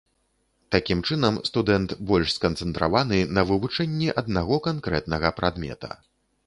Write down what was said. Такім чынам, студэнт больш сканцэнтраваны на вывучэнні аднаго канкрэтнага прадмета.